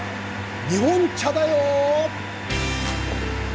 日本茶だよ」。